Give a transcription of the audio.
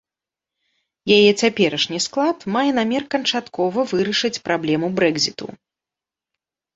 Яе цяперашні склад мае намер канчаткова вырашыць праблему брэкзіту.